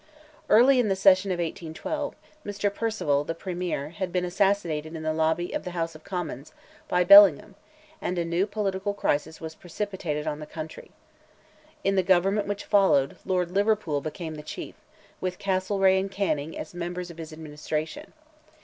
Early in the session of 1812, Mr. Perceval, the Premier, had been assassinated in the lobby of the House of Commons, by Bellingham, and a new political crisis was precipitated on the country. In the government which followed, Lord Liverpool became the chief, with Castlereagh and Canning as members of his administration.